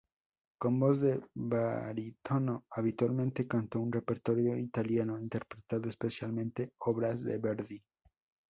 Con voz de barítono, habitualmente cantó un repertorio italiano, interpretando especialmente obras de Verdi.